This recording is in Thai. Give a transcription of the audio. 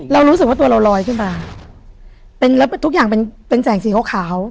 เรารู้สึกว่าตัวเราลอยขึ้นมาเป็นแล้วทุกอย่างเป็นเป็นแสงสีขาว